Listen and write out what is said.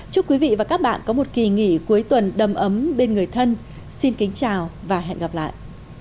chúc quý vị và các bạn có một kỳ nghỉ cuối tuần đầm ấm bên người thân xin kính chào và hẹn gặp lại